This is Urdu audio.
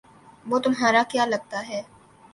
وہ تمہارا کیا لگتا ہے